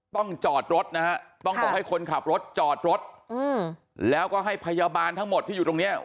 จอดรถนะฮะต้องบอกให้คนขับรถจอดรถอืมแล้วก็ให้พยาบาลทั้งหมดที่อยู่ตรงเนี้ย